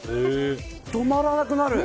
止まらなくなる。